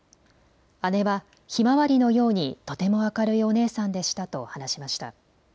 姉はひまわりのようにとても明るいお姉さんでしたと話しました。